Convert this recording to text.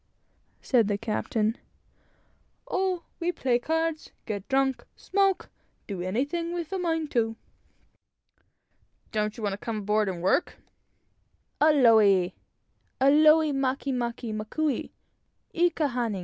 " said the captain. "Oh, we play cards, get drunk, smoke do anything we're a mind to." "Don't you want to come aboard and work?" "Aole! aole make make makou i ka hana.